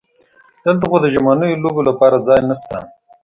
دلته خو د ژمنیو لوبو لپاره ځای نشته.